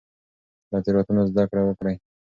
له تېروتنو زده کړه وکړئ.